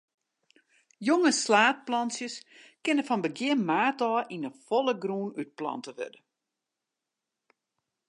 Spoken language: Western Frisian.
Jonge slaadplantsjes kinne fan begjin maart ôf yn 'e folle grûn útplante wurde.